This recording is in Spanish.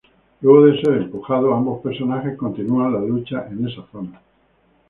Luego de ser empujados, ambos personajes continúan la lucha en esa zona.